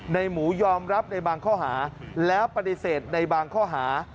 ในหมูยอมรับในบางข้อหาแล้วปฏิเสธในบางข้อหา